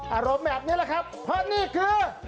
อารมณ์แบบนี้แหละครับเพราะนี่คือ